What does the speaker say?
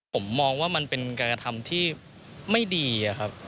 ผมมองว่ามันเป็นการกระทำที่ไม่ดีครับ